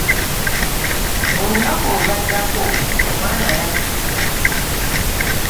Olunaku olwaddako omwana yabbibwa.